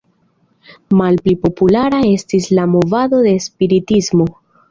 Malpli populara estis la movado de spiritismo.